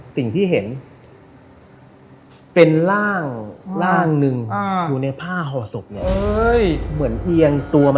สิ่งที่เห็นเป็นร่างร่างหนึ่งอยู่ในผ้าห่อศพเนี่ย